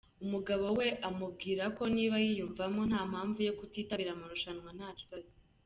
Umugabo we amaubwira ko niba yiyumvamo, nta mpamvu yo kutitabira amarushanwa nta kibazo.